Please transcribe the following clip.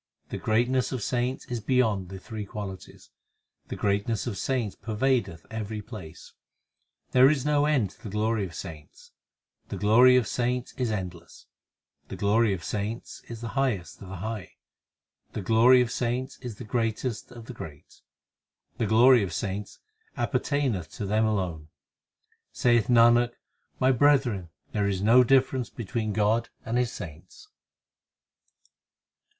The greatness of saints is beyond the three qualities, The greatness of saints pervadeth every place ; HYMNS OF GURU ARJAN 221 There is no end to the glory of saints ; The glory of saints is ever endless, The glory of saints is the highest of the high, The glory of saints is the greatest of the great, The glory of saints appertaineth to them alone ; Saith Nanak, my brethren, there is no difference between God and His saints.